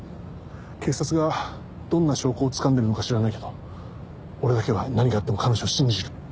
警察がどんな証拠をつかんでるのか知らないけど俺だけは何があっても彼女を信じる。